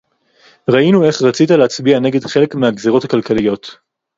ראינו איך רצית להצביע נגד חלק מהגזירות הכלכליות